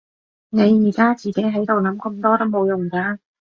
你而家自己喺度諗咁多都冇用㗎